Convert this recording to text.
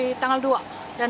sidang selanjutnya gimana